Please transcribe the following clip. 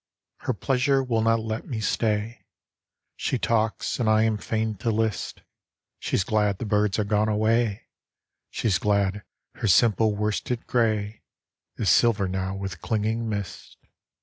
Her pleasure will not let me stay. She talks and I am fain to list: She's glad the birds are gone away, She's glad her simple worsted gray Is silver now with clinging mist.